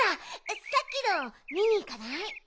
さっきのみにいかない？